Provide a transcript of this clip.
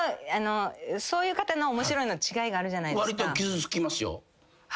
そういう方の面白いの違いがあるじゃないですか。